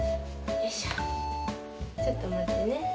よいしょちょっとまってね。